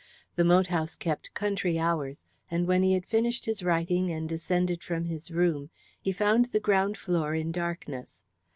The moat house kept country hours, and when he had finished his writing and descended from his room he found the ground floor in darkness.